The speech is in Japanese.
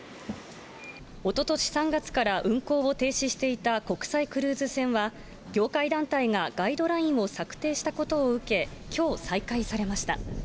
おととし３月から運航を停止していた国際クルーズ船は、業界団体がガイドラインを策定したことを受け、きょう、再開されました。